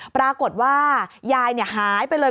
ปรากฏว่ายายเนี่ยหายไปเลย